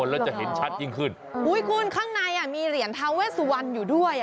แล้วจะเห็นชัดยิ่งขึ้นอุ้ยคุณข้างในอ่ะมีเหรียญทาเวสุวรรณอยู่ด้วยอ่ะ